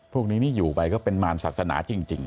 พวกนี้นี่อยู่ไปก็เป็นมารศาสนาจริง